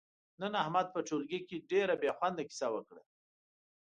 نن احمد په ټولگي کې ډېره بې خونده کیسه وکړه،